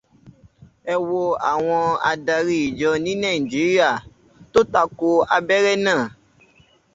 Ẹ wo àwọn adarí ìjọ ní Nàíjíríà tó tako abẹ́rẹ́ náà.